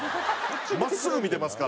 真っすぐ見てますから。